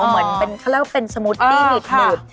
เหมือนเป็นเขาเรียกว่าเป็นสมูตตี้บีบ